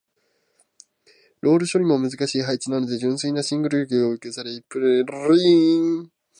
ロール処理も難しい配置なので純粋なシングル力が要求される。一方、技術要素は他の超難関の譜面に比べやや劣り、個人差では難関クラスとも言える。